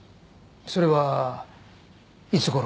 それはいつ頃？